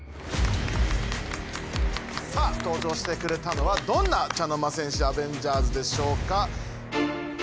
さあ登場してくれたのはどんな茶の間戦士アベンジャーズでしょうか。